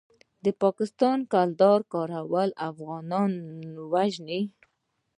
د پاکستانۍ کلدارو کارول افغانۍ وژني.